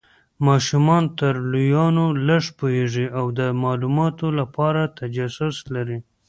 ماشومان تر لویانو لږ پوهیږي او د مالوماتو لپاره تجسس لري.